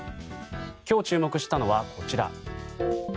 今日注目したのはこちら。